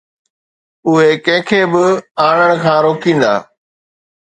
اهي ڪنهن کي به آڻڻ کان روڪيندا.